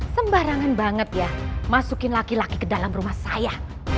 sembarangan banget ya masukin laki laki ke dalam rumah saya